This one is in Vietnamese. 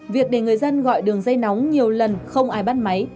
việc để người dân gọi đường dây nóng nhiều lần không ai bắt máy